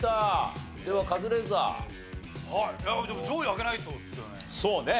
でも上位開けないとですよね。